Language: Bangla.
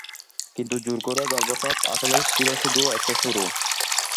কিন্তু জোর করে গর্ভপাত আসলে ছিল শুধু একটা শুরু।